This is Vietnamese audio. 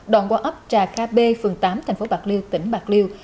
đoạn qua ấp trà kha bê phường tám thành phố bạc liêu tỉnh bạc liêu